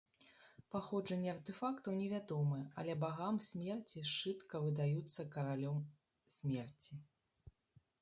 Паходжанне артэфактаў невядомае, але багам смерці сшытка выдаюцца каралём смерці.